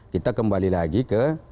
kita kembali lagi ke